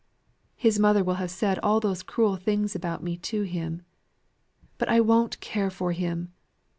His mother will have said all those cruel things about me to him. But I won't care for him.